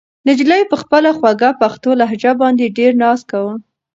نجلۍ په خپله خوږه پښتو لهجه باندې ډېر ناز کاوه.